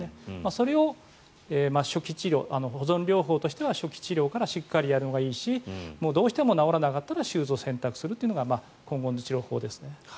それを保存療法としては初期治療からしっかりやるのがいいしどうしても治らなかったら手術を選択するのが今後の治療法ですね。